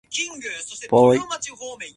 ぽい